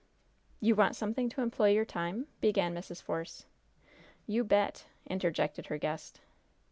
"You want something to employ your time " began Mrs. Force. "You bet!" interjected her guest.